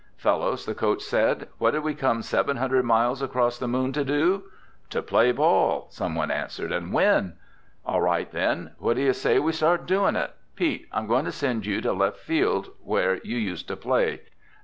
"Fellows," the coach said, "what did we come seven hundred miles across the Moon to do?" "To play ball," someone answered, "—and win." "All right, then. What do you say we start doing it? Pete, I'm going to send you to left field where you used to play.